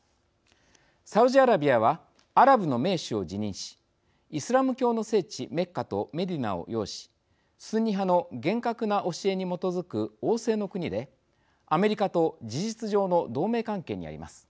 サウジアラビアはアラブの盟主を自認しイスラム教の聖地メッカとメディナを擁しスンニ派の厳格な教えに基づく王制の国でアメリカと事実上の同盟関係にあります。